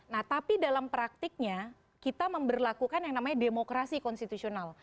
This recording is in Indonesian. nah tapi dalam praktiknya kita memperlakukan yang namanya demokrasi konstitusional